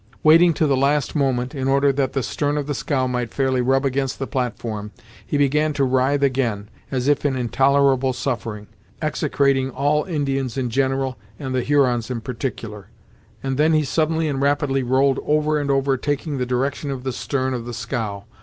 Waiting to the last moment, in order that the stern of the scow might fairly rub against the platform, he began to writhe again, as if in intolerable suffering, execrating all Indians in general, and the Hurons in particular, and then he suddenly and rapidly rolled over and over, taking the direction of the stern of the scow.